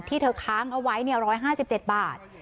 ที่เธอค้างเอาไว้เนี่ยร้อยห้าสิบเจ็ดบาท